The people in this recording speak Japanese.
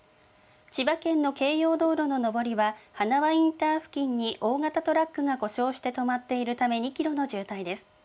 千葉県の京葉道路の上りは、花輪インターチェンジ付近に大型トラックが故障して止まっているため、２キロの渋滞です。